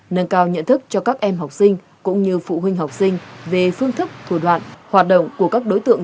nâng cao nhận thức cho các em học sinh cũng như phụ huynh học sinh về phương thức thủ đoạn hoạt động của các đối tượng